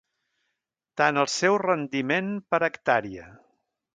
Tant el seu rendiment per Ha.